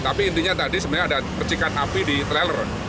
tapi intinya tadi sebenarnya ada percikan api di trailer